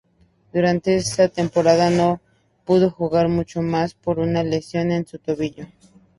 Durante esa temporada no pudo jugar mucho más por una lesión en su tobillo.